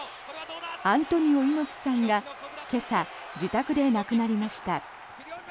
アントニオ猪木さんが今朝、自宅で亡くなりました。